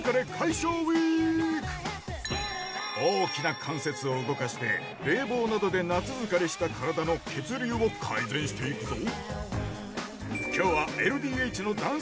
大きな関節を動かして冷房などで夏疲れした体の血流を改善していくぞ